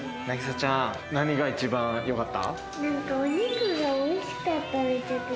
渚ちゃん、何が一番よかった？